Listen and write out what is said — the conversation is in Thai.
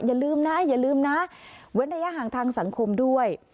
อย่าลืมนะอย่าลืมนะเว้นระยะห่างทางสังคมด้วย